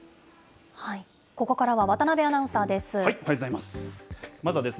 ここからは渡辺アナウンサーです。